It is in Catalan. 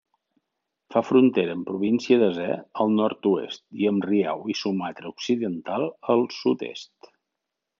Fa frontera amb província d'Aceh al nord-oest i amb Riau i Sumatra Occidental al sud-est.